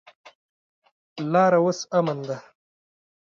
لاره اوس امن ده.